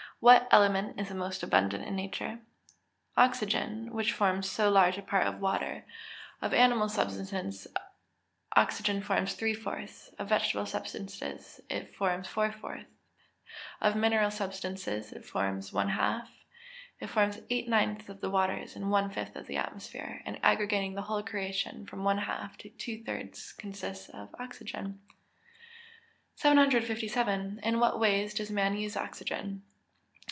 What element is the most abundant in nature? Oxygen, which forms so large a part of water. Of animal substances, oxygen forms three fourths; of vegetable substances it forms four fifths; of mineral substances it forms one half; it forms eight ninths of the waters and one fifth of the atmosphere; and aggregating the whole creation, from one half to two thirds consists of oxygen. 757. _In what ways does man use oxygen?